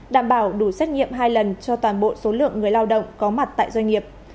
đảm bảo đủ xét nghiệm hai lần cho toàn bộ số lượng người lao động có mặt tại doanh nghiệp